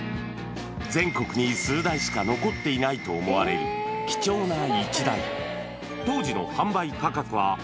全国に数台しか残っていないと思われる貴重な１台。